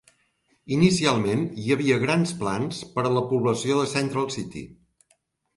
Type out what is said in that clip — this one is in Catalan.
Inicialment, hi ha havia grans plans per a la població de Central City.